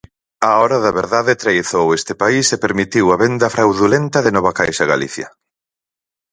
Á hora da verdade traizoou este país e permitiu a venda fraudulenta de Novacaixagalicia.